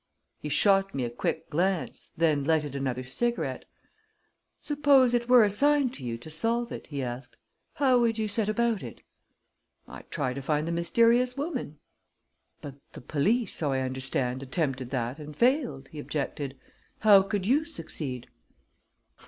He shot me a quick glance, then lighted another cigarette. "Suppose it were assigned to you to solve it," he asked, "how would you set about it?" "I'd try to find the mysterious woman." "But the police, so I understand, attempted that and failed," he objected. "How could you succeed?"